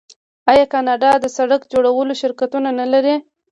آیا کاناډا د سړک جوړولو شرکتونه نلري؟